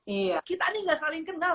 eh kita ini nggak saling kenal